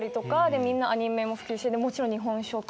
みんなアニメも好きだしもちろん日本食。